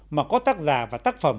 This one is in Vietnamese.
mà có tác giả và tác phẩm